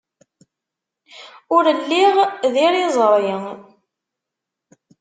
Ur lliɣ d iriẓri.